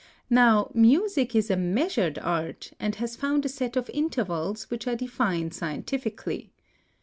Now music is a measured art, and has found a set of intervals which are defined scientifically.